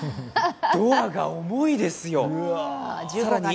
ドアが重いですよ。